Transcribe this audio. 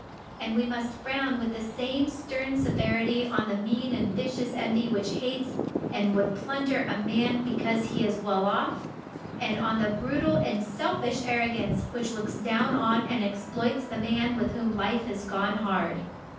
And we must frown with the same stern severity on the mean and vicious envy which hates and would plunder a man because he is well off, and on the brutal and selfish arrogance, which looks down on and exploits the man with whom life has gone hard.